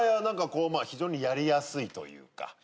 何かこう非常にやりやすいというか。